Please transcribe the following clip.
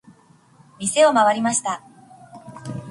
店を回りました。